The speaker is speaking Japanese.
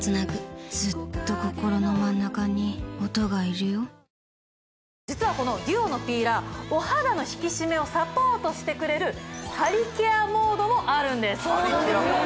ＤＵＯのピーラー汚れを落とすだけじゃなく搭載実はこのＤＵＯのピーラーお肌の引き締めをサポートしてくれるハリケアモードもあるんですそうなんですよ